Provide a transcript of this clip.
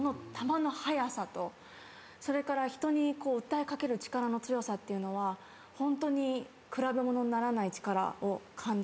それから人に訴えかける力の強さっていうのはホントに比べものにならない力を感じました。